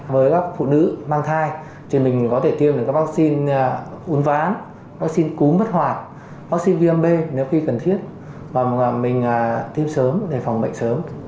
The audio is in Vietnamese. với các phụ nữ mang thai thì mình có thể tiêm được vaccine uốn ván vaccine cú mất hoạt vaccine vnb nếu khi cần thiết và mình tiêm sớm để phòng bệnh sớm